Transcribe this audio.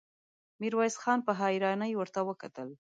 ميرويس خان په حيرانۍ ورته وکتل.